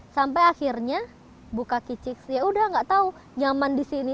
sampai akhirnya buka kicik ya udah nggak tahu nyaman di sini